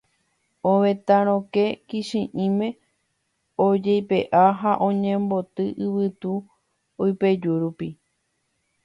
ovetã rokẽ kichi'ĩme ojeipe'a ha oñemboty yvytu oipeju rupi